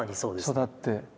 育って。